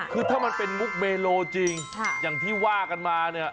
คือถ้ามันเป็นมุกเมโลจริงอย่างที่ว่ากันมาเนี่ย